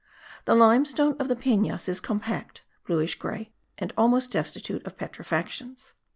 The limestone of the Penas is compact, bluish grey and almost destitute of petrifactions.